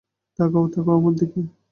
তাকাও, তাকাও আমার দিকে।